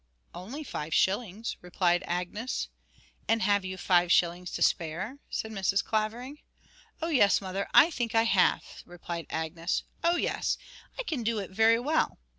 'Only five shillings,' replied Agnes. 'And have you five shillings to spare?' said Mrs. Clavering. 'Oh yes, mother; I think I have,' replied Agnes. 'Oh yes, I can do it very well.